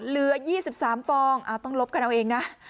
เหลือยี่สิบสามฟองอ่ะต้องลบกันเอาเองน่ะ